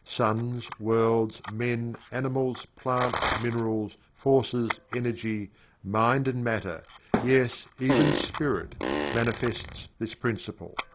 Suns, worlds, men, animals, plants, minerals, forces, energy, mind and matter, yes, even Spirit, manifests this Principle.